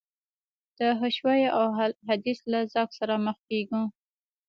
د حشویه او اهل حدیث له ذوق سره مخ کېږو.